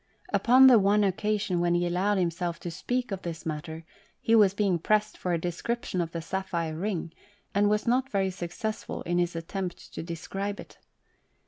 Upon the one occasion when he allowed himself to speak of this matter, he was being pressed for a description of the sapphire ring, and was not very successful in his attempt to describe it.